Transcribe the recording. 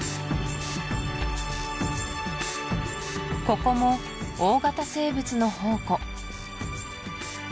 ここも大型生物の宝庫